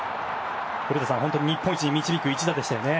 古田さん、日本一に導く一打でしたよね。